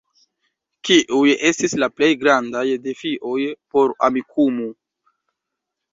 Kiuj estis la plej grandaj defioj por Amikumu?